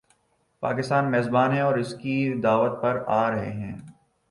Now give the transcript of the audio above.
پاکستان میزبان ہے اور وہ اس کی دعوت پر آ رہے ہیں۔